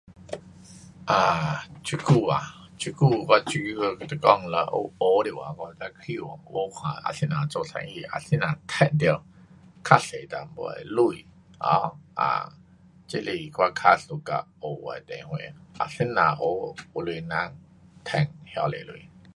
um 这久啊，这久我主要跟你讲我有学多少哒我希望啊怎样做生意，啊怎样赚到较多一点的钱，um 啊，这是我较 suka 学的地方，啊怎样学有钱人赚那多钱。